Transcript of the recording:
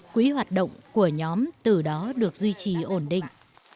quỹ hoạt động của nhóm từ đó được duy trì ổn định